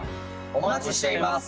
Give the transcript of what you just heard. お待ちしています！